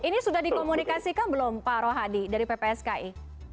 ini sudah dikomunikasikan belum pak rohadi dari ppski